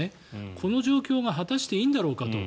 この状況が果たしていいんだろうかと。